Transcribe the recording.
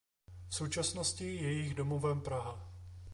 V současnosti je jejich domovem Praha.